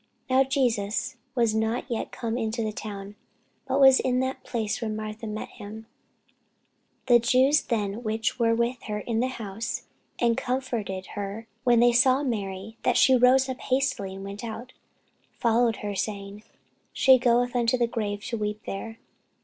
Now Jesus was not yet come into the town, but was in that place where Martha met him. The Jews then which were with her in the house, and comforted her, when they saw Mary, that she rose up hastily and went out, followed her, saying, She goeth unto the grave to weep there.